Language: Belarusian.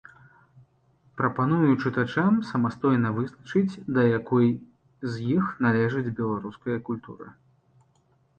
Прапаную чытачам самастойна вызначыць, да якой з іх належыць беларуская культура.